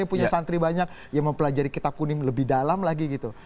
yang punya santri banyak yang mempelajari kitab kuning lebih dalam lagi gitu